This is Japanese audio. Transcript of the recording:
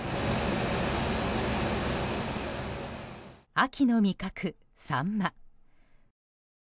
秋の味覚、サンマ。